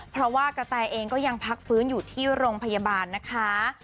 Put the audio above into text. เพราะว่ากระแตเองก็ยังพักฟื้นอยู่ที่โรงพยาบาลนะคะ